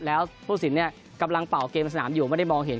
แล้วผู้สินเนี่ยกำลังเป่าเกมสนามอยู่ไม่ได้มองเห็น